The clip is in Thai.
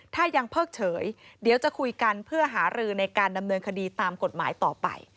ถ้ายังเพิกเฉยเดี๋ยวจะคุยกันเพื่อหารือในการดำเนินคดีตามกฎหมายต่อไป